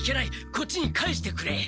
こっちに返してくれ。